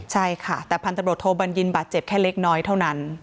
ใช่ค่ะแต่พันตำรวจโทบัญญินบาดเจ็บแค่เล็กน้อยเท่านั้น